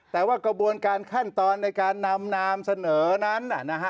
แต่ว่ากระบวนการขั้นตอนในการนำนามเสนอนั้น